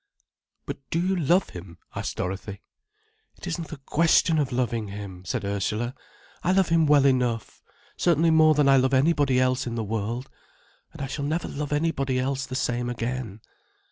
"But do you love him?" asked Dorothy. "It isn't a question of loving him," said Ursula. "I love him well enough—certainly more than I love anybody else in the world. And I shall never love anybody else the same again.